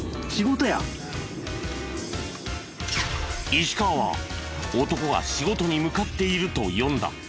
石川は男が仕事に向かっていると読んだ。